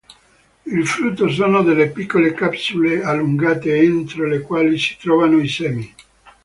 I frutto sono delle piccole capsule allungate entro le quali si trovano i semi.